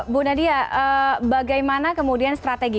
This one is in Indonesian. bu nadia bagaimana kemudian strategi